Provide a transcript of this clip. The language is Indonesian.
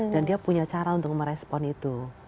dia punya cara untuk merespon itu